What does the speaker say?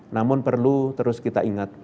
namun perlu terus kita ingat